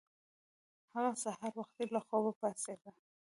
هغه سهار وختي له خوبه پاڅیده.